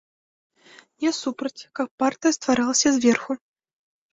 Я супраць, каб партыя стваралася зверху.